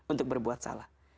untuk berbuat salah